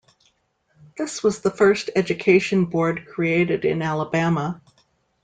This was the first education board created in Alabama.